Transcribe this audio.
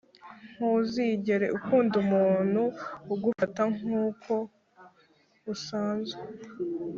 ntuzigere ukunda umuntu ugufata nkuko usanzwe.